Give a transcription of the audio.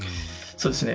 そうですね。